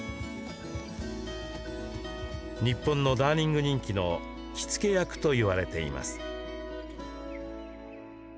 日本のダーニング人気の火付け役といわれています。